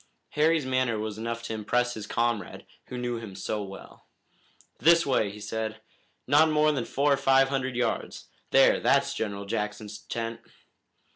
Harry's manner was enough to impress his comrade, who knew him so well. "This way," he said. "Not more than four or five hundred yards. There, that's General Jackson's tent!"